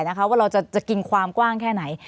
ว่าเราจะกินความกว้างแค่ไหน